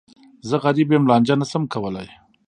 زه غریب یم، لانجه نه شم کولای.